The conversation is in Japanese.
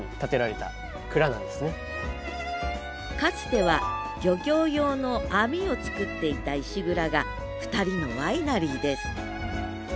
つては漁業用の網をつくっていた石蔵が２人のワイナリーです